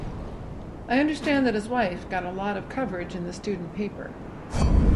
I understand that his wife got a lot of coverage in the student paper.